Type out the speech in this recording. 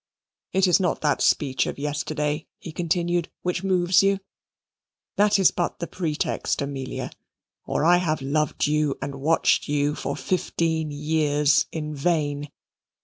"It is not that speech of yesterday," he continued, "which moves you. That is but the pretext, Amelia, or I have loved you and watched you for fifteen years in vain.